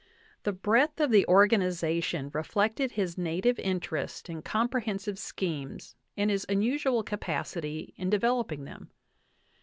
The breadth of ttye organization reflected his native interest in comprehensive schemes and his unusual ca pacity in developing them.